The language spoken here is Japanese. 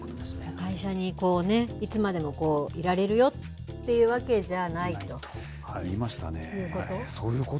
会社にこうね、いつまでもいられるよっていうわけじゃないと。ということ？